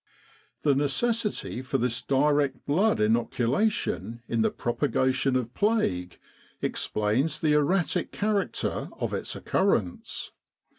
The necessity for this direct blood inoculation in the propagation of plague explains the erratic character of its occurrence.